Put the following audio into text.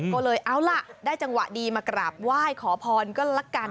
ก็เลยเอาล่ะได้จังหวะดีมากราบไหว้ขอพรก็ละกัน